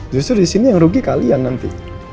justru di sini yang rugi kalian nanti